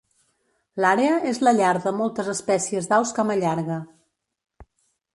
L'àrea és la llar de moltes espècies d'aus camallarga.